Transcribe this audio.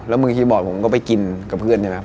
แล้วมือคีย์บอร์ดผมก็ไปกินกับเพื่อนใช่ไหม